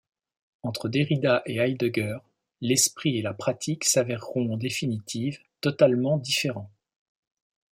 Entre Derrida et Heidegger l'esprit et la pratique s'avèreront en définitive totalement différents.